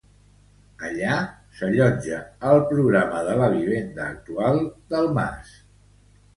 Allà, s'allotja el programa de la vivenda actual del mas.